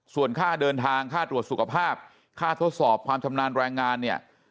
ส่วนค่าเดินทางค่าตรวจสุขภาพค่าทดสอบความชำนาญแรงงานเนี่ย